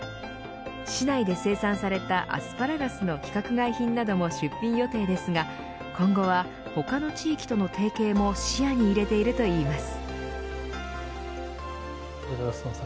市内で生産されたアスパラガスの規格外品なども出品予定ですが今後は他の地域との提携も視野に入れているといいます。